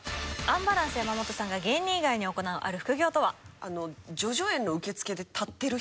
アンバランス山本さんが芸人以外に行うある副業とは？いる！